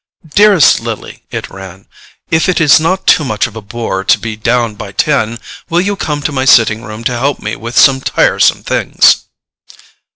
"Dearest Lily," it ran, "if it is not too much of a bore to be down by ten, will you come to my sitting room to help me with some tiresome things?"